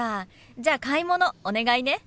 じゃあ買い物お願いね。